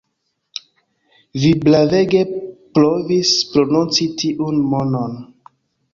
Vi bravege provis prononci tiun nomon